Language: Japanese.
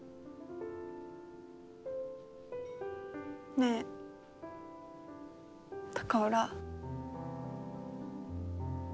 ねえ高浦。